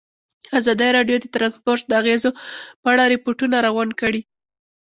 ازادي راډیو د ترانسپورټ د اغېزو په اړه ریپوټونه راغونډ کړي.